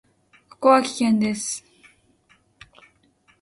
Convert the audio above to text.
ここは危険です。